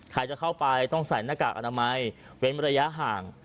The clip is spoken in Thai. ใครจะเข้าไปต้องใส่หน้ากากอนามัยเว้นระยะห่าง